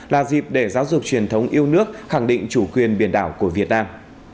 là dịp để giáo dục truyền thống yêu nước khẳng định chủ quyền biển đảo của việt nam